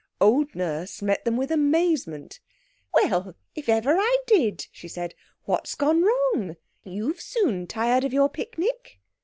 Old Nurse met them with amazement. "Well, if ever I did!" she said. "What's gone wrong? You've soon tired of your picnic."